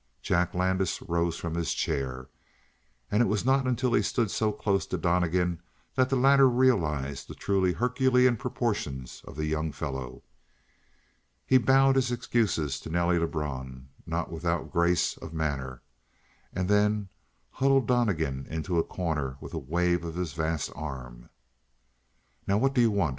Jack Landis rose from his chair, and it was not until he stood so close to Donnegan that the latter realized the truly Herculean proportions of the young fellow. He bowed his excuses to Nelly Lebrun, not without grace of manner, and then huddled Donnegan into a corner with a wave of his vast arm. "Now what do you want?